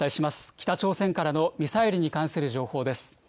北朝鮮からのミサイルに関する情報です。